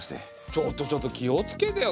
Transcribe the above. ちょっとちょっと気を付けてよ。